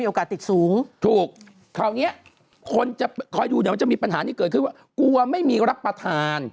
ติดสูงถูกคราวเนี้ยคนจะคอยดูเดี๋ยวมันจะมีปัญหานี้เกิดขึ้นว่ากลัวไม่มีรับประทาน